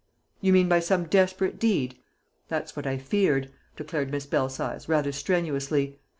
"You mean by some desperate deed? That's what I feared," declared Miss Belsize, rather strenuously.